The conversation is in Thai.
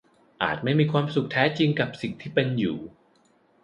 อาจไม่มีความสุขแท้จริงกับสิ่งที่เป็นอยู่